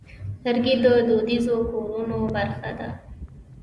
لرګی د دودیزو کورونو برخه ده.